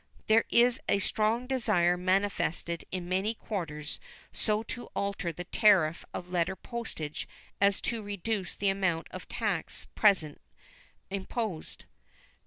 There is a strong desire manifested in many quarters so to alter the tariff of letter postage as to reduce the amount of tax at present imposed.